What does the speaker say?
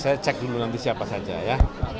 saya cek dulu nanti siapa saja ya